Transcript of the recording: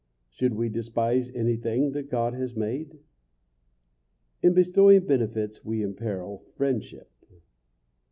Should we despise anything that God has made? In bestowing benefits we imperil friendship.